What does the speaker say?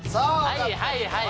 はいはいはい！